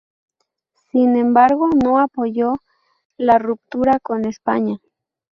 Sin embargo, no apoyó la ruptura con España.